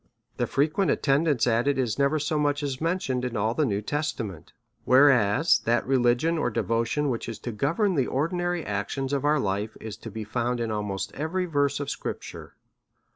The frequent attendance at it is never so much as mentioned in all the New Testament ; where b3 b A SERIOUS CALL TO A as that religion or devotion, which is to govern the or dinary actions of our life, is to be found in almost every verse of scripture.